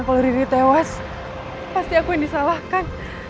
dan kalau kamu disini nanti aku yang disalahin